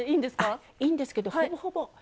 あいいんですけどほぼほぼできて。